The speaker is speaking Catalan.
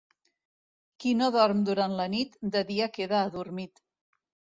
Qui no dorm durant la nit, de dia queda adormit.